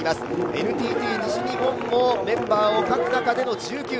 ＮＴＴ西日本もメンバーを欠く中での２０位。